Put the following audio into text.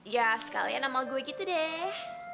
ya sekalian nama gue gitu deh